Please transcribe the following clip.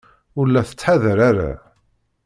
Ur la tettḥadar ara.